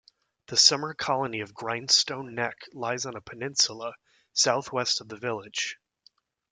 The summer colony of Grindstone Neck lies on a peninsula southwest of the village.